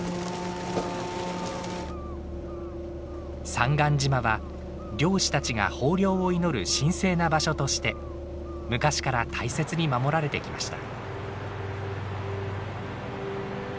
三貫島は漁師たちが豊漁を祈る神聖な場所として昔から大切に守られてきました。